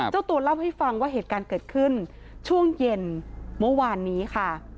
เจ้าตัวเล่าให้ฟังว่าเหตุการณ์เกิดขึ้นช่วงเย็นเมื่อวานนี้ค่ะ